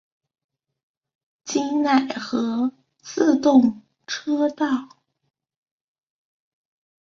京奈和自动车道。